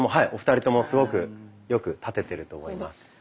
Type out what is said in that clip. お二人ともすごくよく立ててると思います。